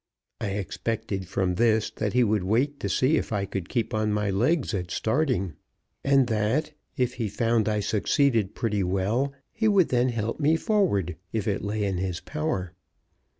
I expected from this that he would wait to see if I could keep on my legs at starting, and that, if he found I succeeded pretty well, he would then help me forward if it lay in his power.